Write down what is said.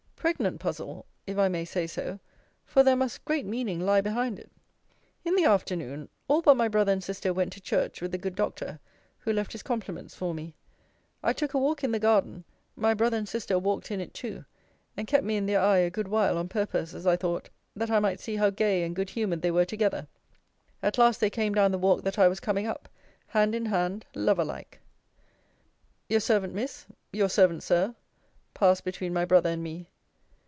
Pregnant puzzle, if I may say so: for there must great meaning lie behind it. In the afternoon, all but my brother and sister went to church with the good doctor; who left his compliments for me. I took a walk in the garden. My brother and sister walked in it too, and kept me in their eye a good while, on purpose, as I thought, that I might see how gay and good humoured they were together. At last they came down the walk that I was coming up, hand in hand, lover like. Your servant, Miss your servant, Sir passed between my brother and me.